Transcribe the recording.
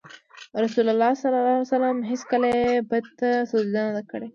رسول الله ﷺ هېڅکله یې بت ته سجده نه ده کړې.